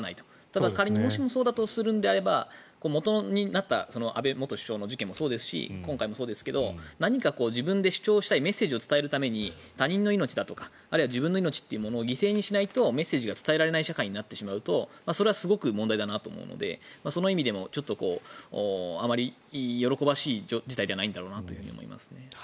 ただ、仮にもしもそうだとするんであればもとになった安倍元首相の事件もそうですし今回もそうですけど何か自分で主張したいメッセージを伝えるために他人の命だとかあるいは自分の命を犠牲にしないとメッセージが伝えられない社会になってしまうとそれはすごく問題だなと思うのでその意味でもあまり喜ばしい事態じゃないんだろうなと思います。